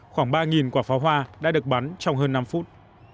khoảng ba quả pháo hoa đã được bắn trong hơn năm phút